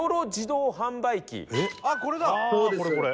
「あっこれだ！